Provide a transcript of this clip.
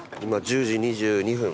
１０時２２分。